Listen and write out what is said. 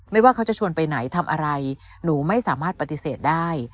ว่าเขาจะชวนไปไหนทำอะไรหนูไม่สามารถปฏิเสธได้